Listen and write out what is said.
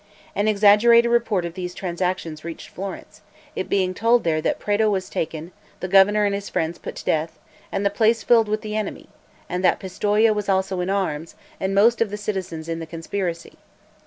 An exaggerated report of these transactions reached Florence, it being told there that Prato was taken, the governor and his friends put to death, and the place filled with the enemy; and that Pistoia was also in arms, and most of the citizens in the conspiracy.